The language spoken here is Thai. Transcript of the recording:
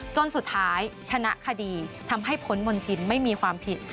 จนสุดท้ายชนะคดีทำให้พ้นมณฑินไม่มีความผิด